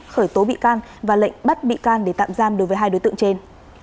khởi tố bị can và lệnh bắt bị can để tạm giam đối với hai đối tượng trên